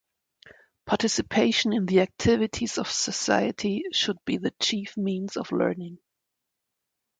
Participation in the activities of society should be the chief means of learning.